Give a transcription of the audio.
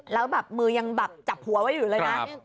แล้วแบบมือยังแบบจับหัวไว้อยู่เลยนะ